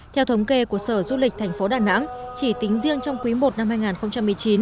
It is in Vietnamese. theo thống kê của sở du lịch thành phố đà nẵng chỉ tính riêng trong quý i năm hai nghìn một mươi chín